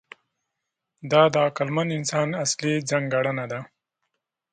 دا د عقلمن انسان اصلي ځانګړنه ده.